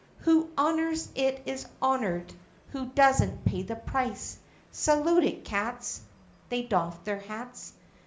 Who honors it is honored, Who does n't pays the price ! Salute it, cats! (They doff their hats.)